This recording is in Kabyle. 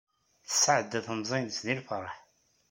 Tesɛedda temẓi-nnes deg lfeṛḥ.